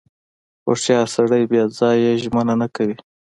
• هوښیار سړی بې ځایه ژمنه نه کوي.